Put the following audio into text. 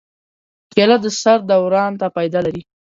کېله د سر دوران ته فایده لري.